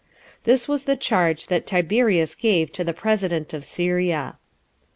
This was the charge that Tiberius gave to the president of Syria.